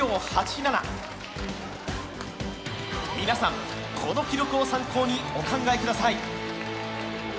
皆さん、この記録を参考にお考えください。